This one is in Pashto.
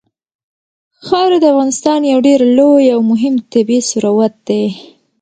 خاوره د افغانستان یو ډېر لوی او مهم طبعي ثروت دی.